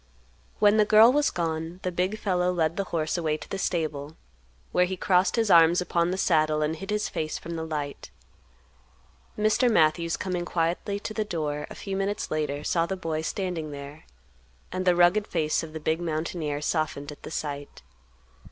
When the girl was gone, the big fellow led the horse away to the stable, where he crossed his arms upon the saddle and hid his face from the light. Mr. Matthews coming quietly to the door a few minutes later saw the boy standing there, and the rugged face of the big mountaineer softened at the sight.